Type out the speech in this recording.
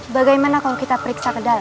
bagaimana kalau kita periksa ke dalam